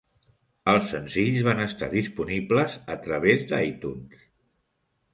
Els senzills van estar disponibles a través d'iTunes.